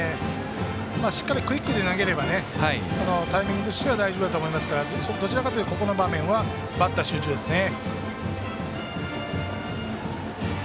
しっかりクイックで投げれば、タイミングとしては大丈夫だと思いますからどちらかというとここの場面はバッター集中ですね。